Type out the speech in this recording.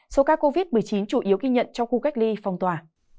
số ca covid một mươi chín chủ yếu ghi nhận trong khu cách ly phong tỏa